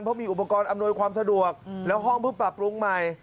เพราะมีอุปกรณ์อำนวยความสะดวกแล้วห้องเพิ่งปรับปรุงใหม่